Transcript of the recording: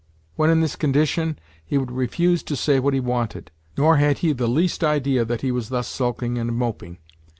When in this condition, he would refuse to say what he wanted—nor had he the least idea that he was thus sulking and moping.